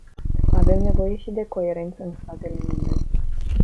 Avem nevoie și de coerență în statele membre.